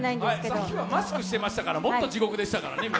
さっきはマスクしてましたから、もっと地獄でしたからね。